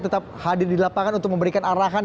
tetap hadir di lapangan untuk memberikan arahan